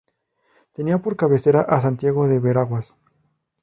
Tenía por cabecera a Santiago de Veraguas.